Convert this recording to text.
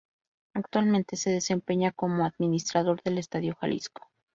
Actualmente se desempeña como administrador del Estadio Jalisco.